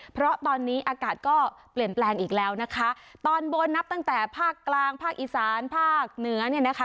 เพราะตอนนี้อากาศก็เปลี่ยนแปลงอีกแล้วนะคะตอนบนนับตั้งแต่ภาคกลางภาคอีสานภาคเหนือเนี่ยนะคะ